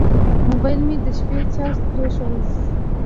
موبایل مې د شپې چارج پرې شو.